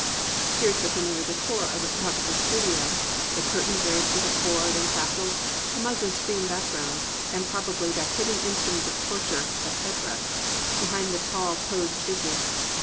Here is the familiar decor of the photogra pher's studio: the curtain draped with a cord and tassel, the muslin screen background, and probably that hidden instrument of torture, the "head rest," behind the tall, posed figure.